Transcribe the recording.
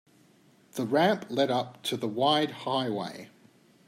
The ramp led up to the wide highway.